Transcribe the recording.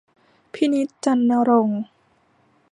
พินิจ จันทร์ณรงค์